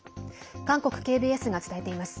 韓国ＫＢＳが伝えています。